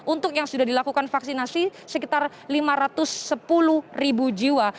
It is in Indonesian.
untuk yang sudah dilakukan vaksinasi sekitar lima ratus sepuluh ribu jiwa